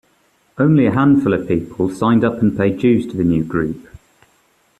Only a handful of people signed up and paid dues to the new group.